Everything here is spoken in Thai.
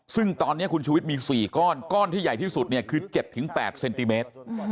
ซึ่งตอนนี้คุณชุวิตมี๔ก้อนก้อนที่ใหญ่ที่สุดเนี่ยคือ๗๘เซนติเมตร